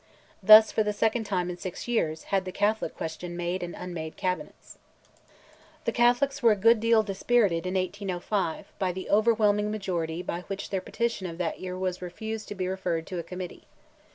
Thus, for the second time in six years, had the Catholic question made and unmade cabinets. The Catholics were a good deal dispirited in 1805, by the overwhelming majority by which their petition of that year was refused to be referred to a committee.